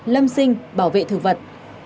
lâm sinh bảo vệ thực vật